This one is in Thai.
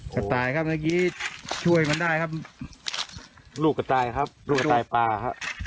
กระต่ายครับเมื่อกี้ช่วยมันได้ครับลูกกระต่ายครับลูกกระตายปลาครับ